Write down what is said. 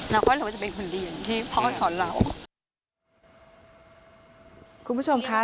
เราก็คิดว่าเป็นคนดีที่พ่อสอนเรา